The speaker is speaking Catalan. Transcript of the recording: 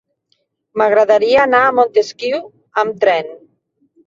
M'agradaria anar a Montesquiu amb tren.